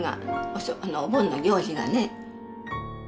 お盆の行事がね。